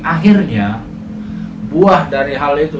akhirnya buah dari hal itu